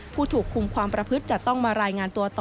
ผู้ถูกคุมความประพฤติจะต้องมารายงานตัวต่อ